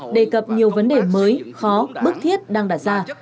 đề cập nhiều vấn đề mới khó bước thiết đang đặt ra